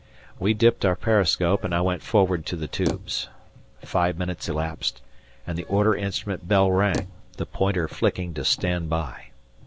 We dipped our periscope and I went forward to the tubes. Five minutes elapsed and the order instrument bell rang, the pointer flicking to "Stand by."